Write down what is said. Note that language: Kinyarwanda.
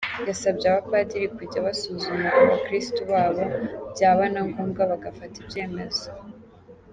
Yasabye abapadiri kujya basuzuma abakiristu babo, byaba na ngombwa bagafata ibyemezo.